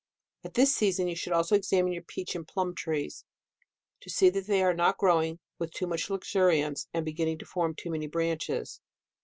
At this season you should also examine your peach and plum trees, to see ii they are not growing with too much luxuriance, and beginning to form too many branches.